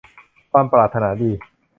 ความปรารถนาดี